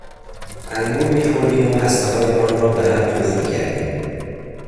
انگور میخوردیم و هستههای آن را به هم تف میکردیم.